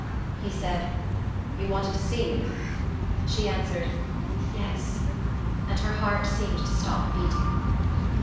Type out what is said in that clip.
He said: "You wanted to see me?" She answered: "Yes." And her heart seemed to stop beating.